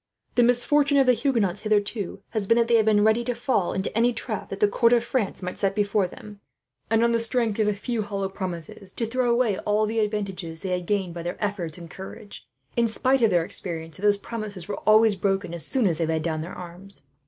The misfortune of the Huguenots, hitherto, has been that they have been ready to fall into any trap that the court of France might set for them and, on the strength of a few hollow promises, to throw away all the advantages they had gained by their efforts and courage, in spite of their experience that those promises were always broken, as soon as they laid down their arms.